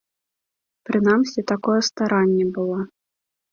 Прынамсі, такое старанне было.